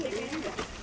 gua bilang makasih